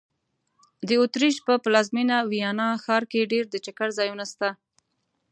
د اوترېش په پلازمېنه ویانا ښار کې ډېر د چکر ځایونه سته.